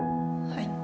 はい。